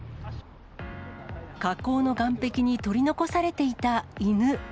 河口の岸壁に取り残されていた犬。